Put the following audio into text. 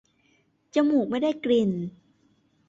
จมูกไม่ได้กลิ่น